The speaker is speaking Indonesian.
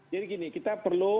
jadi gini kita perlu